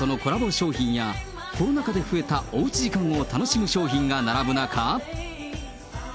商品や、コロナ禍で増えたおうち時間を楽しむ商品が並ぶ中。